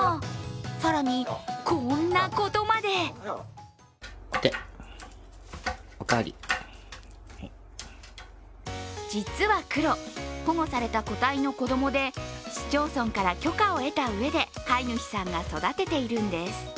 更に、こんなことまで実はクロ、保護された個体の子供で市町村から許可を得たうえで飼い主さんが育てているんです。